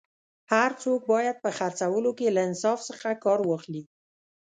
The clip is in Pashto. هر څوک باید په خرڅولو کي له انصاف څخه کار واخلي